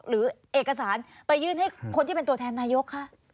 หรือเอกสารไปยื่นให้คนที่เป็นตัวแทนนายกคะ